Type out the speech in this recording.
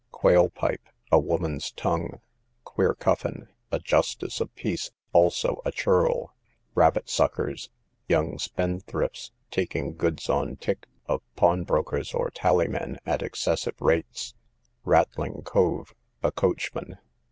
Quail pipe, a woman's tongue. Queer cuffin, a justice of peace, also, a churl. Rabbit suckers, young spendthrifts, taking goods on tick of pawnbrokers or tallymen, at excessive rates. Rattling cove, a coachman.